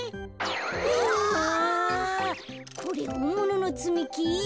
これほんもののつみき？